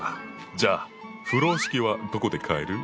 じゃあ風呂敷はどこで買える？